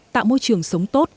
tạo môi trường sống tốt